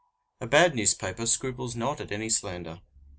A bad newspaper scruples not at any slander.